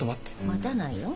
待たないよ。